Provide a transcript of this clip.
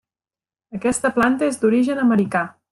Aquesta planta és d'origen americà.